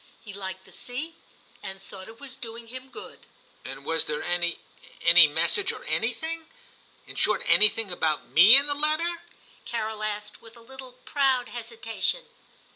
He liked the sea, and thought it was doing him good.' 'And was there any — any message or anything "i in short, anything about me in the letter ?' Carol asked with a little proud hesitation.